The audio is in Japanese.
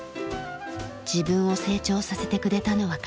「自分を成長させてくれたのは空手」